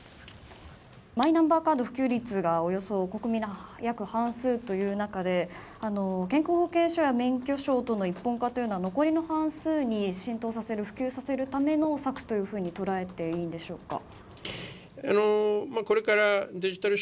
マイナンバーカード普及率がおよそ国民の約半数という中で健康保険証や免許証との一本化というのは残りの半数に浸透させる普及させるための策というふうに捉えていいでしょうか。